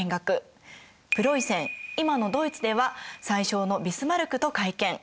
プロイセン今のドイツでは宰相のビスマルクと会見。